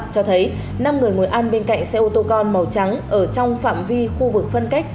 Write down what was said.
cho thấy năm người ngồi ăn bên cạnh xe ô tô con màu trắng ở trong phạm vi khu vực phân cách